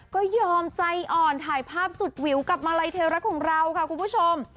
ก็ยอมใจอ่อนถ่ายภาพสุดวิวกับมาลัยเทรักของเราค่ะคุณผู้ชม